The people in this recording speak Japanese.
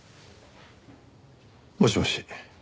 もしもし。